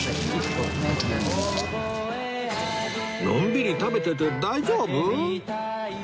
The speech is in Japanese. のんびり食べてて大丈夫？